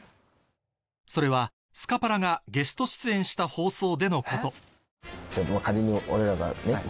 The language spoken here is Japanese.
それはスカパラがゲスト出演した放送でのこと仮に。